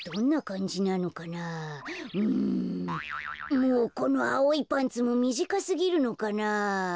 もうこのあおいパンツもみじかすぎるのかなあ。